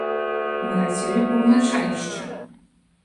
Мы хацелі б бубнача яшчэ.